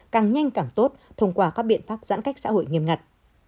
càng nhanh càng tốt thông qua các biện pháp giãn cách xã hội nghiêm ngặt